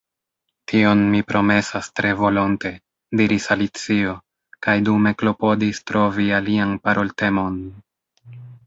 “Tion mi promesas tre volonte,” diris Alicio, kaj dume klopodis trovi alian paroltemon.